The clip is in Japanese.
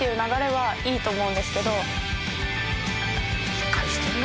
しっかりしてんな。